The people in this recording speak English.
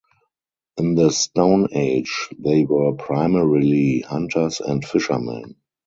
In the stone age, they were primarily hunters and fishermen.